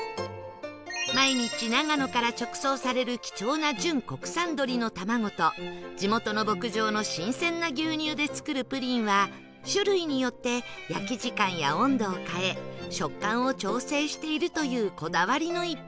毎日長野から直送される貴重な純国産鶏の卵と地元の牧場の新鮮な牛乳で作るプリンは種類によって焼き時間や温度を変え食感を調整しているというこだわりの逸品